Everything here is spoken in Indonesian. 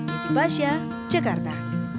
di sipasya jakarta